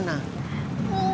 udah bang ocak